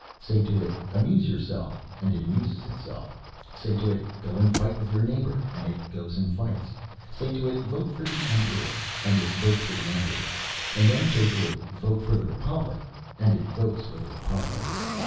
Say to it: "Amuse yourself," and it amuses itself. Say to it: "Go and fight with your neighbour," and it goes and fights. Say to it: "Vote for the Emperor," and it votes for the Emperor, and then say to it: "Vote for the Republic," and it votes for the Republic.